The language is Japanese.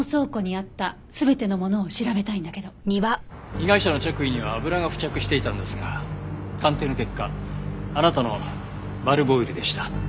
被害者の着衣には油が付着していたんですが鑑定の結果あなたのバルブオイルでした。